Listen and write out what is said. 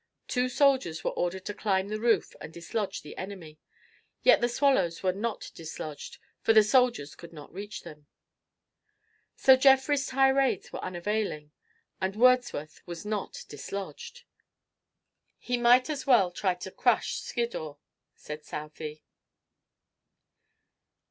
Two soldiers were ordered to climb the roof and dislodge the enemy. Yet the swallows were not dislodged, for the soldiers could not reach them. So Jeffrey's tirades were unavailing, and Wordsworth was not dislodged. "He might as well try to crush Skiddaw," said Southey.